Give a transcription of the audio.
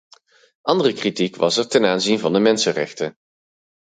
Andere kritiek was er ten aanzien van de mensenrechten.